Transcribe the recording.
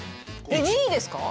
２位ですか？